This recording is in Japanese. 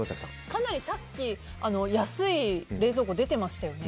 かなりさっき安い冷蔵庫が出てましたよね。